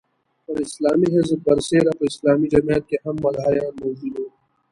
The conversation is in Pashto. پر اسلامي حزب برسېره په اسلامي جمعیت کې هم مداریان موجود وو.